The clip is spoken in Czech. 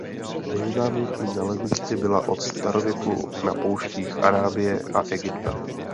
Nejznámější naleziště byla od starověku na pouštích Arábie a Egypta.